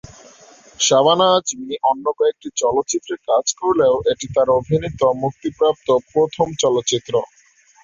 শাবানা আজমি অন্য কয়েকটি চলচ্চিত্রে কাজ করলেও এটি তার অভিনীত মুক্তিপ্রাপ্ত প্রথম চলচ্চিত্র।